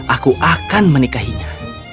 aku akan menikahinya